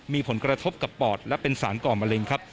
มีผลกระทบกับปอดและเป็นสารก่อมะเร็งครับ